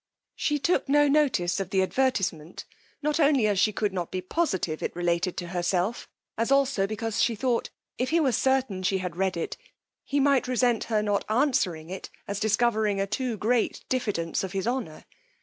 She took no notice of the advertisement, not only as she could not be positive it related to herself, as also because she thought, if he were certain she had read it, he might resent her not answering it, as discovering a too great diffidence of his honour.